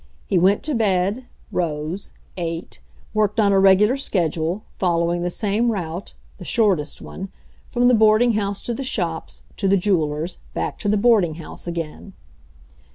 He went to bed, rose, ate, worked on a regular sched ule, following the same route — the shortest one — from the boarding house to the shops, to the jew eler's, back to the boarding house again.